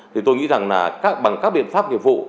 thì tôi nghĩ rằng là bằng các biện pháp nghiệp vụ